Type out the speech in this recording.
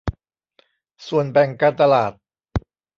ส่วนแบ่งการตลาด